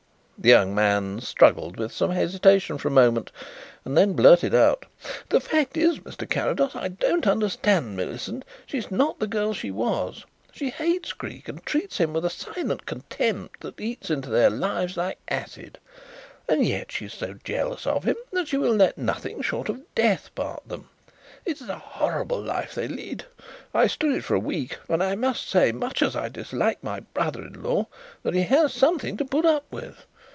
The young man struggled with some hesitation for a moment and then blurted out: "The fact is, Mr. Carrados, I don't understand Millicent. She is not the girl she was. She hates Creake and treats him with a silent contempt that eats into their lives like acid, and yet she is so jealous of him that she will let nothing short of death part them. It is a horrible life they lead. I stood it for a week and I must say, much as I dislike my brother in law, that he has something to put up with.